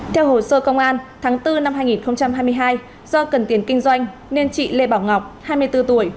theo hồ sơ công an tháng bốn năm hai nghìn hai mươi hai do cần tiền kinh doanh nên chị lê bảo ngọc hai mươi bốn tuổi